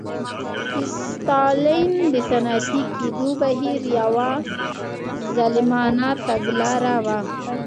د ستالین د صنعتي کېدو بهیر یوه ظالمانه تګلاره وه